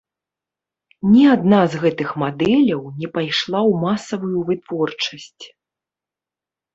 Ні адна з гэтых мадэляў не пайшла ў масавую вытворчасць.